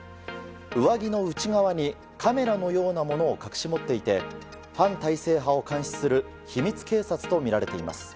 上着の内側にカメラのようなものを隠し持っていて反体制派を監視する秘密警察とみられています。